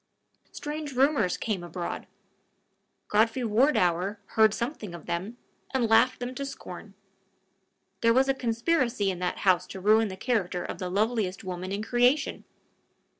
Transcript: Strange rumors came abroad. Godfrey Wardour heard something of them, and laughed them to scorn. There was a conspiracy in that house to ruin the character of the loveliest woman in creation!